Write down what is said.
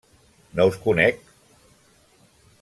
-No us conec.